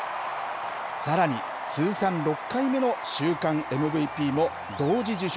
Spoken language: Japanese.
さらに通算６回目の週間ＭＶＰも同時受賞。